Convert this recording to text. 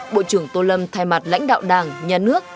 bộ trưởng tô lâm thay mặt lãnh đạo đảng nhà nước